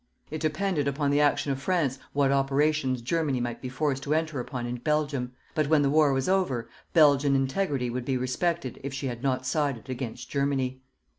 It depended upon the action of France what operations Germany might be forced to enter upon in Belgium, but when the war was over, Belgian integrity would be respected if she had not sided against Germany.